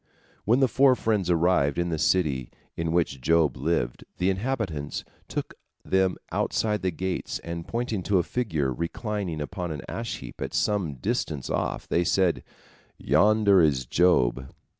When the four friends arrived in the city in which Job lived, the inhabitants took them outside the gates, and pointing to a figure reclining upon an ash heap at some distance off, they said, "Yonder is Job."